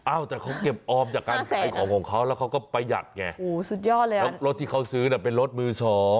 อ้าวแต่เขาเก็บอ้อมจากการขายของเขาแล้วเขาก็ประหยัดไงรถที่เขาซื้อเป็นรถมือ๒